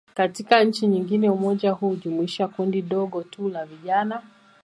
Katika nchi nyingine, umoja huu hujumuisha kundi dogo tu la vijana.